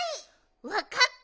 わかった！